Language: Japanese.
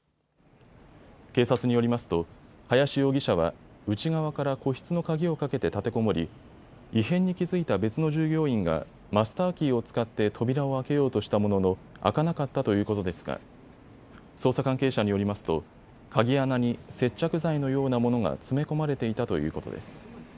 警察によりますと林容疑者は内側から個室の鍵をかけて立てこもり異変に気付いた別の従業員がマスターキーを使って扉を開けようとしたものの開かなかったということですが捜査関係者によりますと鍵穴に接着剤のようなものが詰め込まれていたということです。